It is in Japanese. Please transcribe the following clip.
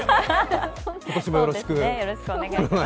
今年もよろしくお願いします。